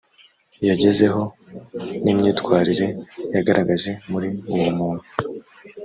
yagezeho n imyitwarire yagaragaje muri uwo muntu